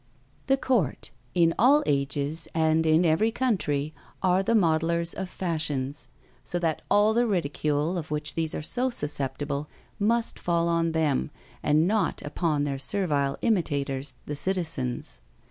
The court, in all ages and in every country, are the modellers of fashions; so that all the ridicule, of which these are so susceptible, must fall on them, and not upon their servile imitators the citizens.